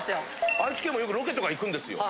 愛知県もよくロケとか行くんですよ。